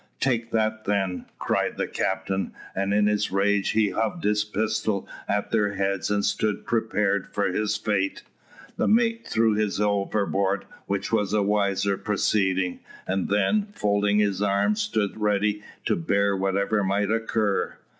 Take that, then!" cried the captain, and in his rage he hove his pistol at their heads and stood prepared for his fate. The mate threw his overboard, which was a wiser proceeding, and then, folding his arms, stood ready to bear whatever might occur.